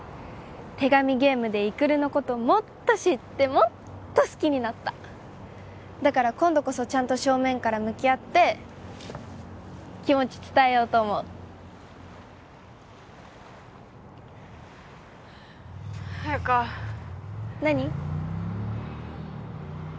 手紙ゲームで育のこともっと知ってもっと好きになっただから今度こそちゃんと正面から向き合って気持ち伝えようと思う彩花何？